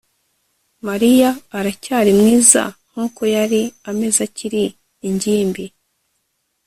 Mariya aracyari mwiza nkuko yari ameze akiri ingimbi